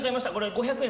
５００円。